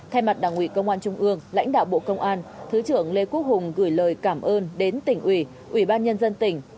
thay mặt đảng ủy công an trung ương lãnh đạo bộ công an thứ trưởng lê quốc hùng gửi lời cảm ơn đến tỉnh ủy ủy ban nhân dân tỉnh